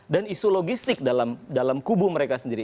dan isu logistik dalam kubu mereka sendiri